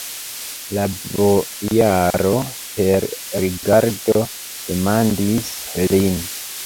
La bojaro per rigardo demandis lin.